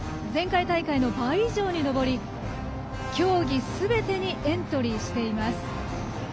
前回大会の倍以上に上り競技すべてにエントリーしています。